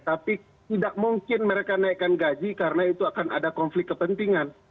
tapi tidak mungkin mereka naikkan gaji karena itu akan ada konflik kepentingan